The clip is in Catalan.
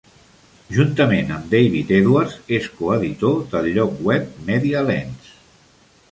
Juntament amb David Edwards, és coeditor del lloc web Media Lens.